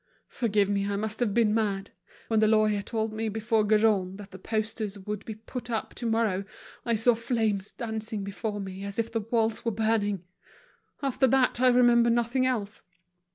"Forgive me, I must have been mad. When the lawyer told me before Gaujean that the posters would be put up tomorrow, I saw flames dancing before me as if the walls were burning. After that I remember nothing else.